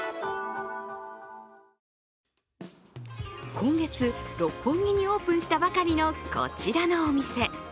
今月、六本木にオープンしたばかりのこちらのお店。